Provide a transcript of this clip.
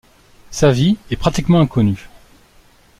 Sa vie est pratiquement inconnue.